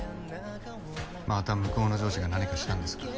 また向こうの上司が何かしたんですか？